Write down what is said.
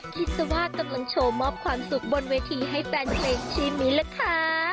คิดซะว่ากำลังโชว์มอบความสุขบนเวทีให้แฟนเพลงชื่อนี้แหละค่ะ